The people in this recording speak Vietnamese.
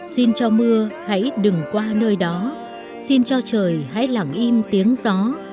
xin cho mưa hãy đừng qua nơi đó xin cho trời hãy lẳng im tiếng gió